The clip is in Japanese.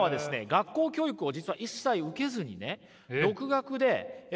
学校教育を実は一切受けずにね独学で学んだんです。